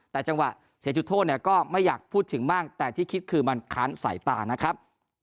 แต่จังหวะเสียจุดโทษเนี่ยก็ไม่อยากพูดถึงมากแต่ที่คิดคือมันค้านสายตานะครับ